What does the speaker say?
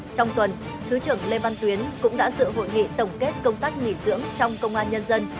trong tuần thứ trưởng lê văn tuyến cũng đã dự hội nghị tổng kết công tác nghỉ dưỡng trong công an nhân dân